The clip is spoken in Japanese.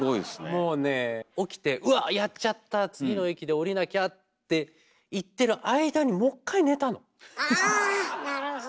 もうね起きて「うわっやっちゃった次の駅で降りなきゃ」って言ってる間にああなるほど。